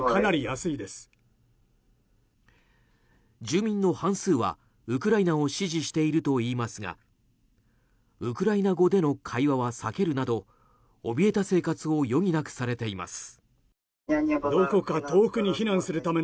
住民の半数は、ウクライナを支持しているといいますがウクライナ語での会話は避けるなどおびえた生活を余儀なくされています。